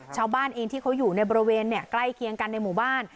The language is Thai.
ชาวบ้านเองที่เขาอยู่ในบริเวณใกล้เคียงกันในหมู่บ้าน